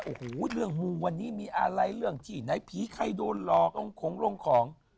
โอ้ยเรื่องมูวันนี้มีอะไรเรื่องที่ไหนผีใครโดนล็อคโรงของ